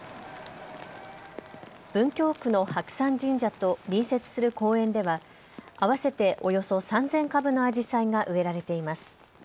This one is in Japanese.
文京区の白山神社と隣接する公園では合わせておよそ３０００株のあじさいが植えられています。